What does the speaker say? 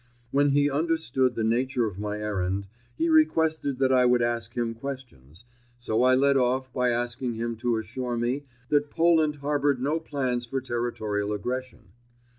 When he understood the nature of my errand, he requested that I would ask him questions, so I led off by asking him to assure me that Poland harboured no plans for territorial aggression.